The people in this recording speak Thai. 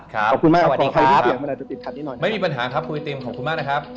ขอบคุณมากครับไม่มีปัญหาครับคุณวิติมขอบคุณมากนะครับ